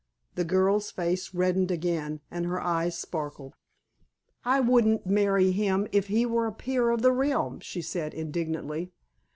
The girl's face reddened again, and her eyes sparkled. "I wouldn't marry him if he were a peer of the realm," she said indignantly.